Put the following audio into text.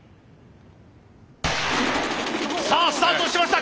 さあスタートしました！